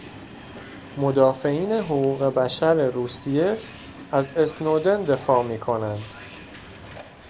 مدافعین حقوق بشر روسیه از اسنودن دفاع میکنند.